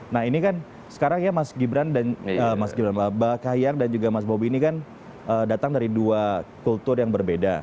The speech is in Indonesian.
nah ini kan sekarang ya mas gibran dan mas gibran mbak kahiyang dan juga mas bobi ini kan datang dari dua kultur yang berbeda